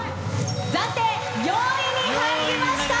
暫定４位に入りました。